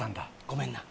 ごめんな。